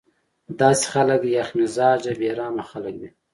داسې خلک يخ مزاجه بې رحمه خلک وي